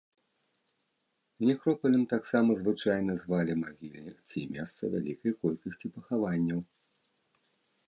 Некропалем таксама звычайна звалі магільнік ці месца вялікай колькасці пахаванняў.